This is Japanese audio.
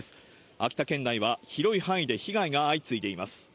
秋田県内は広い範囲で被害が相次いでいます。